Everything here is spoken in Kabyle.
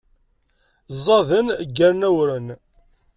Ẓẓaden, ggaren awren.